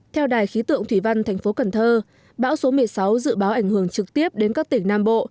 theo đài khí tượng thủy văn thành phố cần thơ bão số một mươi sáu dự báo ảnh hưởng trực tiếp đến các tỉnh nam bộ